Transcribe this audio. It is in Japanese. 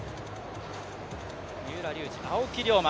三浦龍司、青木涼真